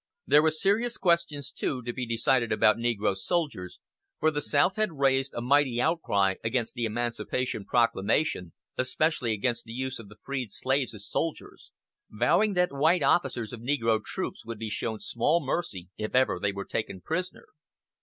There were serious questions, too, to be decided about negro soldiers, for the South had raised a mighty outcry against the Emancipation Proclamation, especially against the use of the freed slaves as soldiers, vowing that white officers of negro troops would be shown small mercy, if ever they were taken prisoners.